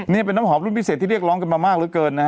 นี่เป็นน้ำหอมรุ่นพิเศษที่เรียกร้องกันมามากเหลือเกินนะฮะ